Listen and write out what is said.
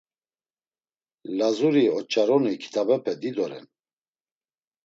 Lazuri oç̆aroni kitabepe dido ren.